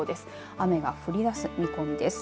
雨が降りだす見込みです。